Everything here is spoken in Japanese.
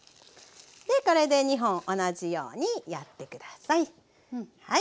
これで２本同じようにやってください。